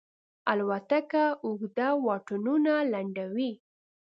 الوتکه اوږده واټنونه لنډوي.